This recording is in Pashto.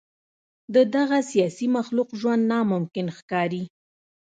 د دغه سیاسي مخلوق ژوند ناممکن ښکاري.